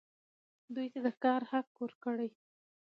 دوی ته د کار حق ورکړئ